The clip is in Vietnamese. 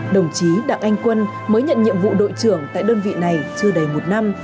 đồng chí đặng anh quân mới nhận nhiệm vụ đội trưởng tại đơn vị này chưa đầy một năm